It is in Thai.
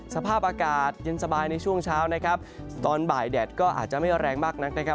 สภาพอากาศเย็นสบายในช่วงเช้านะครับตอนบ่ายแดดก็อาจจะไม่แรงมากนักนะครับ